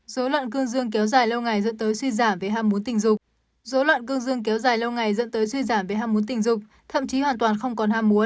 dối loạn cương dương kéo dài lâu ngày dẫn tới suy giảm về ham muốn tình dục